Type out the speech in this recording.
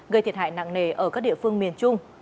gây thiệt hại nặng nề ở các địa phương miền trung